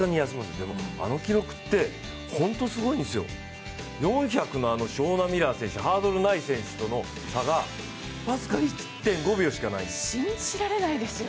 でもあの記録って本当にすごいんですよ、４００のショウナ・ミラー選手、ハードルない選手との差が僅か１．５秒しかないんです。